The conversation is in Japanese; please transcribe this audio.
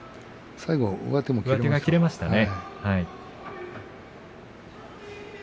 上手が切れましたね。